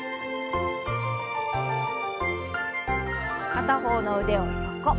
片方の腕を横。